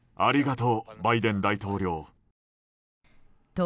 と、